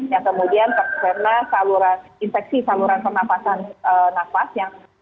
yang kemudian karena saluran infeksi saluran pernafasan nafas yang